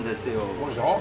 そうでしょ？